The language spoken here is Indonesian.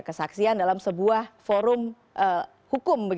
kesaksian dalam sebuah forum hukum